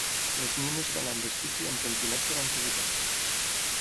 Les nines van amb vestits i amb pentinats de l'antiguitat.